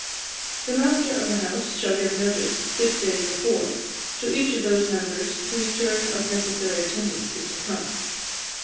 'The master of the house shall give notice, six days before, to each of those members whose turn of necessary attendance is come.